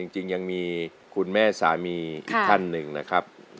จริงยังมีคุณแม่สามีอีกท่านหนึ่งนะครับ